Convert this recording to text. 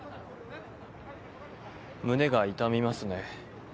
胸が痛みますね。